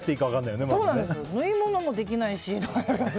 縫い物もできないし。